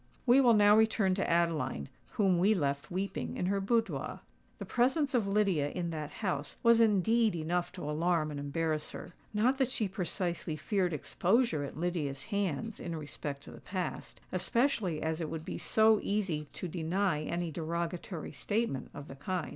We will now return to Adeline, whom we left weeping in her boudoir. The presence of Lydia in that house was indeed enough to alarm and embarrass her. Not that she precisely feared exposure at Lydia's hands in respect to the past—especially as it would be so easy to deny any derogatory statement of the kind.